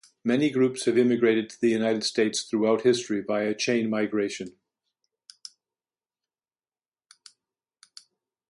Many groups have immigrated to the United States throughout history via chain migration.